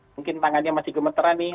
mungkin tangannya masih gemeteran nih